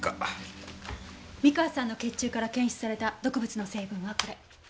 三河さんの血中から検出された毒物の成分はこれ。